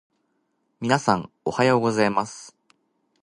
皆さん、おはようございます。